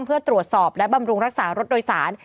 เพื่อตรวจสอบและบำรุงรักษารถโดยสาร